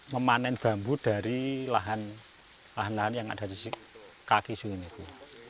memanen bambu dari lahan lahan yang ada di kaki sungai ini bu